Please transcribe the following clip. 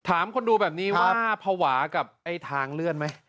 ถามคนดูแบบนี้ว่าภาวะกับไอ้ทางเลื่อนไหม